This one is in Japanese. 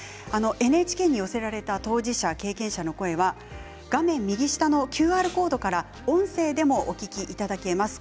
ＮＨＫに寄せられた当事者、経験者の声は画面右下のＱＲコードから音声でもお聞きいただけます。